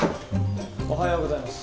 おはようございます。